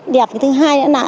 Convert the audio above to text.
đẹp thứ hai nữa là